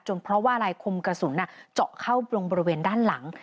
เพราะว่าอะไรคมกระสุนเจาะเข้าลงบริเวณด้านหลัง